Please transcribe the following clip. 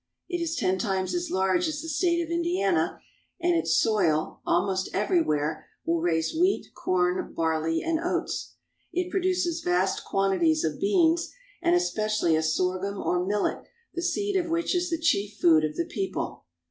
It is ten times as large as the state of Indiana, and its soil, almost everywhere, will raise wheat, corn, barley, and oats. It produces vast quantities of beans, and especially a sorghum or millet the seed of which is the chief food of the people.